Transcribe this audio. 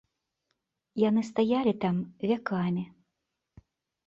Яны стаялі там вякамі!